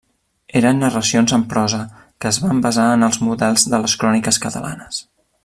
Eren narracions en prosa que es van basar en els models de les cròniques catalanes.